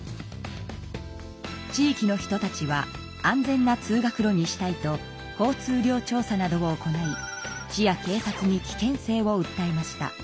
地域の人たちは安全な通学路にしたいと交通量調査などを行い市やけい察に危険性をうったえました。